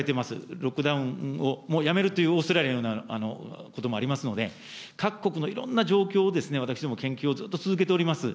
ロックダウンをもうやめるという、オーストラリアのこともありますので、各国のいろんな状況を私ども、研究をずっと続けております。